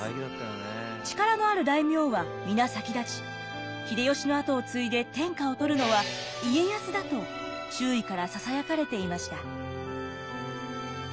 力のある大名は皆先立ち秀吉の跡を継いで天下を取るのは家康だと周囲からささやかれていました。